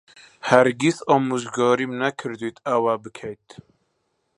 هەرگیز ئامۆژگاریم نەکردوویت ئەوە بکەیت.